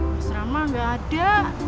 mas ramah gak ada